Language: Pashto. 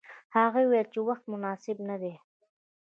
هغوی ویل چې وخت مناسب نه دی.